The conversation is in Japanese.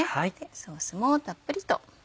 ソースもたっぷりと。